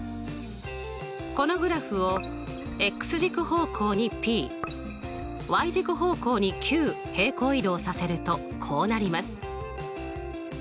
このグラフを軸方向にｐ軸方向にｑ平行移動させるとこうなります。